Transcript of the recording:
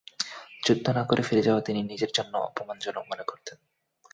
যুদ্ধ না করে ফিরে যাওয়া তিনি নিজের জন্য অপমান জনক মনে করতেন।